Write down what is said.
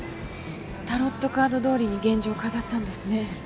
タロットカードどおりに現場を飾ったんですね。